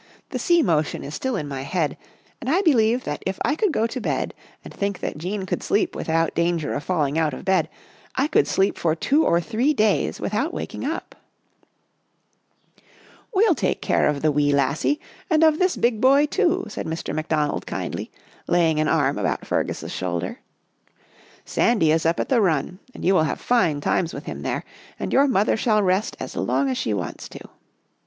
The sea motion is still in my head, and I believe that if I could go to bed and think that Jean could sleep without 1 Run is the name given to a ranch in Australia. 1 8 Our Little Australian Cousin danger of falling out of bed, I could sleep for two or three days without waking up." " We'll take care of the wee lassie and of this big boy, too," said Mr. McDonald kindly, laying an arm about Fergus' shoulder. " Sandy is up at the run and you will have fine times with him there, and your mother shall rest as long as she wants to.